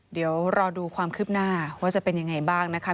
เดี๋ยวรอดูความคืบหน้าว่าจะเป็นยังไงบ้างนะคะ